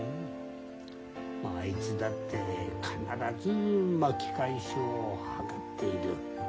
あいつだって必ず巻き返しを図っている。